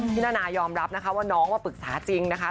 นานายอมรับนะคะว่าน้องมาปรึกษาจริงนะคะ